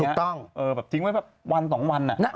ถูกต้องแบบทิ้งไว้แบบวัน๒วัน